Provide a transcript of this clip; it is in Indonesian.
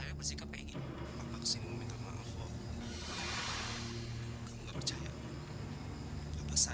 berani cuma berlakon aja doang gak guna